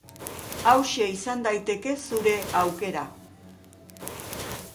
Hauxe izan daiteke zure aukera.